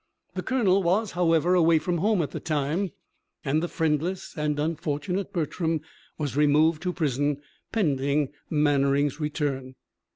The colonel was, however, away from home at the time, and the friendless and unfortunate Bertram was removed to prison, pending Mannering's return.